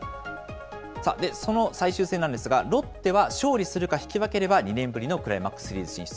さあ、その最終戦なんですが、ロッテは勝利するか引き分ければ２年ぶりのクライマックスシリーズ進出。